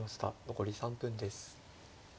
残り３分です。